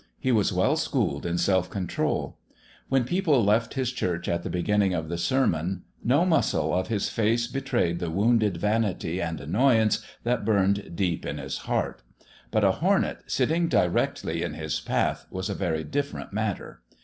He was well schooled in self control. When people left his church at the beginning of the sermon, no muscle of his face betrayed the wounded vanity and annoyance that burned deep in his heart. But a hornet sitting directly in his path was a very different matter.